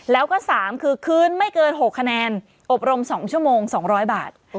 แล้วก็๓คือคืนไม่เกิน๖คะแนนอบรม๒ชั่วโมง๒๐๐บาท